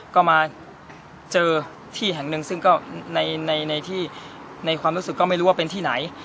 ก็มาเจอที่แห่งหนึ่งซึ่งก็ในความรู้สึกก็ไม่รู้ว่าเป็นที่ไหน